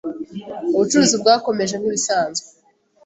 Ubucuruzi bwakomeje nk’ibisanzwe